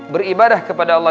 beribadah kepada allah